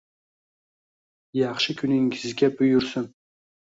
Yaxshi kuningizga buyursin!